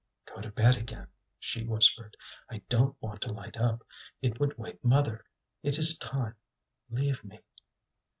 "Go to bed again," she whispered. "I don't want to light up, it would wake mother. It is time; leave me."